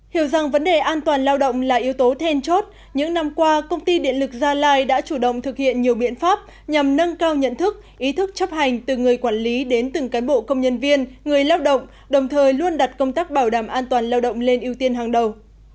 hiểu rằng vấn đề an toàn lao động là yếu tố then chốt những năm qua công ty điện lực gia lai đã chủ động thực hiện nhiều biện pháp nhằm nâng cao nhận thức ý thức chấp hành từ người quản lý đến từng cán bộ công nhân viên người lao động đồng thời luôn đặt công tác bảo đảm an toàn lao động lên ưu tiên hàng đầu